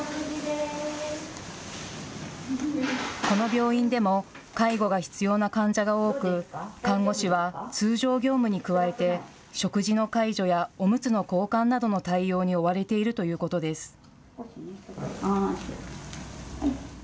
この病院でも介護が必要な患者が多く、看護師は通常業務に加えて食事の介助やおむつの交換などの対応に追われているということです。